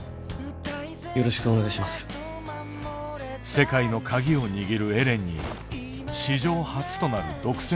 世界の鍵を握るエレンに史上初となる独占